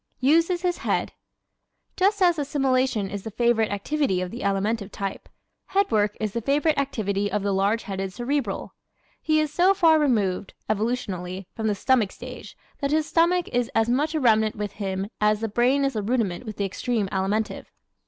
Uses His Head ¶ Just as assimilation is the favorite activity of the Alimentive type, head work is the favorite activity of the large headed Cerebral. He is so far removed, evolutionally, from the stomach stage that his stomach is as much a remnant with him as the brain is a rudiment with the extreme Alimentive.